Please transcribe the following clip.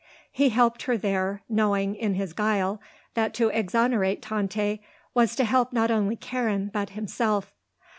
He helped her there, knowing, in his guile, that to exonerate Tante was to help not only Karen but himself.